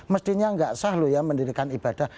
mestinya tidak sah mendirikan ibadah